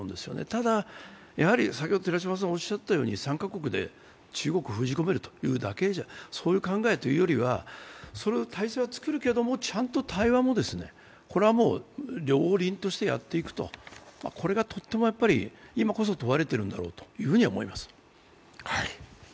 ただ、３か国で中国を封じ込めるという考えよりはそれの体制は作るけれども対話も両輪としてやっていく、これがとっても今こそ問われているんだろうと思います。